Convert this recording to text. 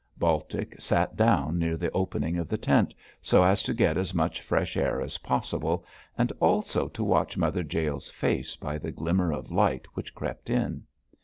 Baltic sat down near the opening of the tent, so as to get as much fresh air as possible, and also to watch Mother Jael's face by the glimmer of light which crept in.